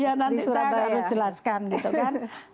ya nanti saya harus jelaskan gitu kan